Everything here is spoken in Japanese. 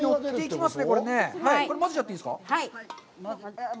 まぜちゃっていいですか？